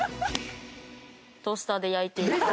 トースターで焼いていきます。